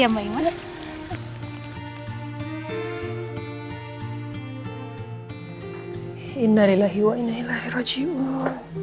makasih ya mbak ima